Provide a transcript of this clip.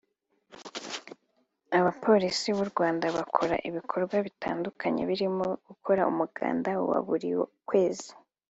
abapolisi b’u Rwanda bakora ibikorwa bitandukanye birimo gukora umuganda wa buri kwezi